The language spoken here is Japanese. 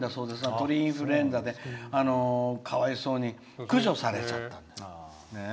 鳥インフルエンザでかわいそうに駆除されちゃって。